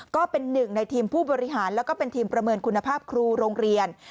ก็เป็นหนึ่งในทีมผู้บริหารแล้วก็เป็นทีมประเมินคุณภาพครูโรงเรียน